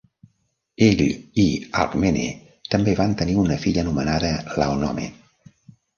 Ell i Alcmene també van tenir una filla anomenada Laonome.